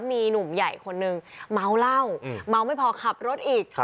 มีหนุ่มใหญ่คนนึงเมาเหล้าเมาไม่พอขับรถอีก